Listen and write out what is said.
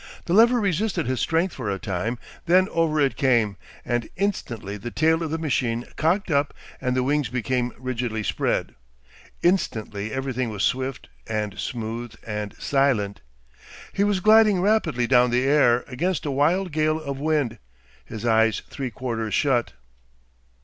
The lever resisted his strength for a time, then over it came, and instantly the tail of the machine cocked up and the wings became rigidly spread. Instantly everything was swift and smooth and silent. He was gliding rapidly down the air against a wild gale of wind, his eyes three quarters shut.